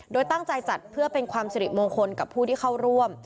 โดยตั้งใจจัดเพื่อเป็นความสิริมงคลกับผู้ที่เข้าร่วม